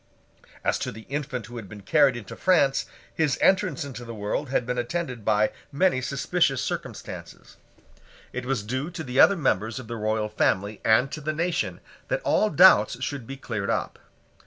As to the infant who had been carried into France, his entrance into the world had been attended by many suspicious circumstances. It was due to the other members of the royal family and to the nation that all doubts should be cleared up.